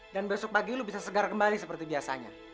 dan besok pagi lo bisa segar kembali seperti biasanya